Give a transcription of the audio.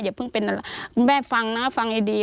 เพิ่งเป็นอะไรคุณแม่ฟังนะฟังดี